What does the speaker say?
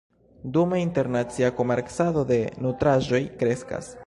Dume, internacia komercado de nutraĵoj kreskas.